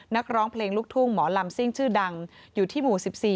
นักร้องเพลงลูกทุ่งหมอลำซิ่งชื่อดังอยู่ที่หมู่๑๔